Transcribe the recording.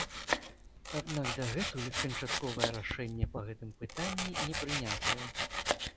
Аднак дагэтуль канчатковае рашэнне па гэтым пытанні не прынятае.